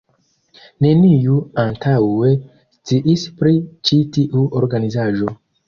Neniu antaŭe sciis pri ĉi tiu organizaĵo.